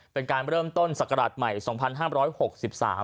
เป็นการเริ่มต้นศักราชใหม่สองพันห้ามร้อยหกสิบสาม